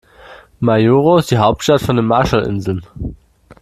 Majuro ist die Hauptstadt von den Marshallinseln.